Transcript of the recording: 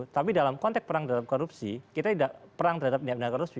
tapi dalam konteks perang terhadap korupsi